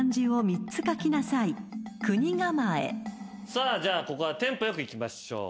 さあじゃあここはテンポ良くいきましょう。